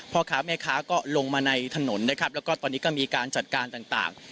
พอขาเมฆาะก็ลงมาในถนตรีท่านก็ตอนนี้ก็มีการจัดการต่าง